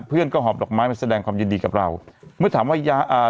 เพื่อนก็หอบดอกไม้มาแสดงความยินดีกับเราเมื่อถามว่ายาอ่า